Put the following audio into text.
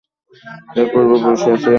তার পূর্বপুরুষেরা ছিলেন ধর্মযাজক।